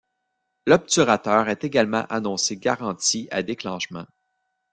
L'obturateur est également annoncé garanti à déclenchements.